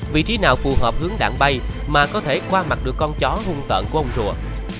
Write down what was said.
vị trí nào phù hợp hướng đạn bay mà có thể qua mặt được con chó hung tợn của ông chùa